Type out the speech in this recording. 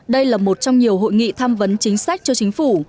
đây là một trong nhiều hội nghị tham vấn chính sách cho chính phủ